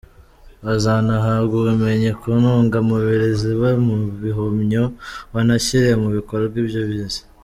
Bazanahabwa ubumenyi ku ntungamubiri ziba mu bihumyo banashyire mu bikorwa ibyo bize.